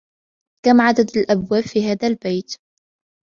كم عدد الأبواب في هذا البيت؟